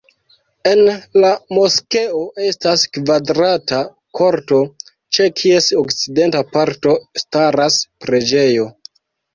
En la moskeo estas kvadrata korto, ĉe kies okcidenta parto staras preĝejo.